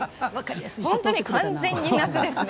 本当に完全に夏ですね。